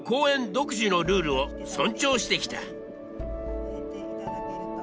独自のルールを尊重してきた。